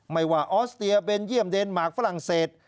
ไม่ว่าออสเตียเบนเยี่ยมเดนมาร์คฝรั่งเศส